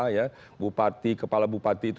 ya kepala bupati itu